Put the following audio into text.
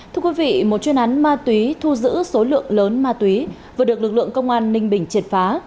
thưa quý vị một chuyên án ma túy thu giữ số lượng lớn ma túy vừa được lực lượng công an ninh bình triệt phá